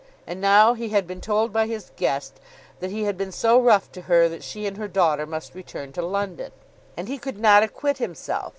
And now he had been told by his guest that he had been so rough to her that she and her daughter must return to London! And he could not acquit himself.